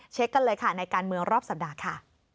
เช็คกันเลยในการเมืองรอบสัปดาห์ค่ะ